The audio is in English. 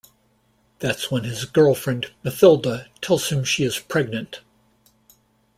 That's when his girlfriend, Mathilde, tells him she is pregnant.